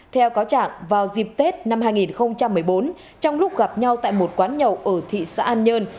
theo cáo trạng vào dịp tết năm hai nghìn một mươi bốn trong lúc gặp nhau tại một quán nhậu ở thị xã an nhơn